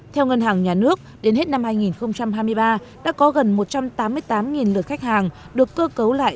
theo ngân hàng nhà nước đến hết năm hai nghìn hai mươi ba đã có gần một trăm tám mươi tám lượt khách hàng được cơ cấu lại